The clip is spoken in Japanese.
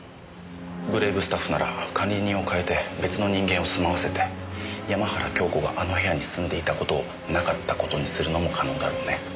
ブレイブスタッフなら管理人を代えて別の人間を住まわせて山原京子があの部屋に住んでいた事をなかった事にするのも可能だろうね。